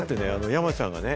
山ちゃんがね。